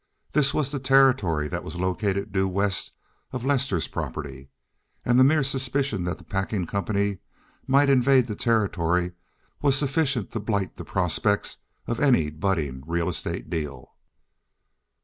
This was the territory that was located due west of Lester's property, and the mere suspicion that the packing company might invade the territory was sufficient to blight the prospects of any budding real estate deal.